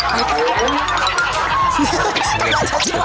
ไปค่ะ